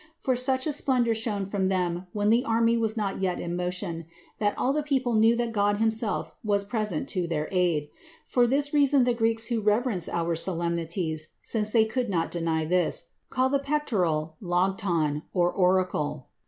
For such a splendor shone from them when the army was not yet in motion, that all the people knew that God himself was present to aid them. For this reason the Greeks who reverence our solemnities, since they could not deny this, called the pectoral λόγιον or oracle.